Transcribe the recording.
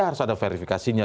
harus ada verifikasinya